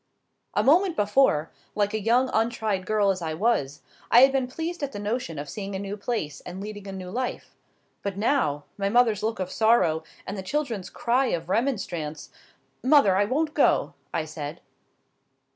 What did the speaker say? A moment before, like a young untried girl as I was, I had been pleased at the notion of seeing a new place, and leading a new life. But now,—my mother's look of sorrow, and the children's cry of remonstrance: "Mother; I won't go," I said.